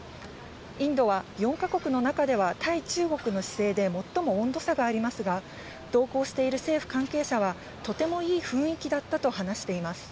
インドは４か国の中では対中国の姿勢で最も温度差がありますが、同行している政府関係者はとてもいい雰囲気だったと話しています。